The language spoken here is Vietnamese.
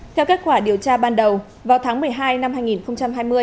theo kết quả điều tra ban đầu vào tháng một mươi hai năm hai nghìn hai mươi